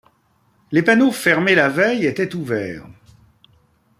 Les panneaux, fermés la veille, étaient ouverts.